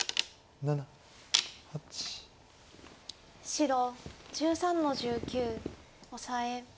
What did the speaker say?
白１３の十九オサエ。